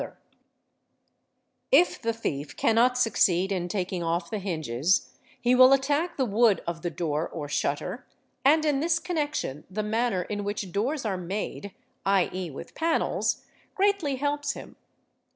ta | ENTERING BY THE DOOR 727 If the thief cannot succeed in taking off the hinges he will attack the wood of the door (or shutter) and in this connection the manner in which doors are made, #.e., with panels, greatly helps him.